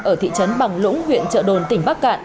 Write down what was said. ở thị trấn bằng lũng huyện trợ đồn tỉnh bắc cạn